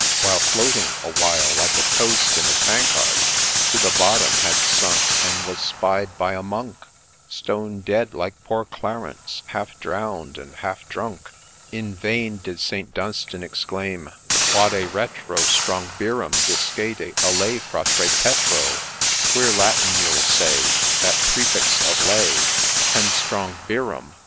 After floating awhile, like a toast in a tankard, To the bottom had sunk, And was spied by a monk, Stone dead, like poor Clarence, half drown'd and half drunk. In vain did St. Dunstan exclaim, ' Vade retro Strongbeerum I — discede a Lay fratre Petro I '— Queer Latin, you'll say. That praefix of ' Lay,' A LAY OF ST. DUNSTAN 143 And Strongbeerum